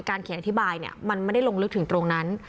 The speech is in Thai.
เขียนอธิบายเนี่ยมันไม่ได้ลงลึกถึงตรงนั้น